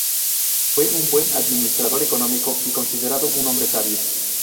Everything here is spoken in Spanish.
Fue un buen administrador económico y considerado un hombre sabio.